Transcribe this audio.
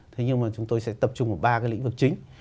thế nhưng mà chúng tôi sẽ tập trung vào ba cái lĩnh vực chính